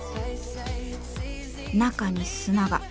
中に砂が。